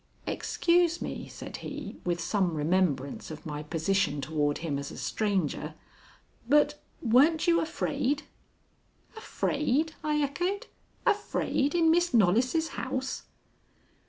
"Excuse me," said he, with some remembrance of my position toward him as a stranger, "but weren't you afraid?" "Afraid?" I echoed. "Afraid in Miss Knollys' house?"